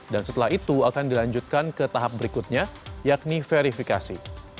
dan setelah itu akan dilanjutkan ke tahap berikutnya yakni verifikasi